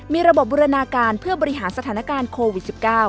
มีระบบบูรณาการเพื่อบริหารสถานการณ์โควิด๑๙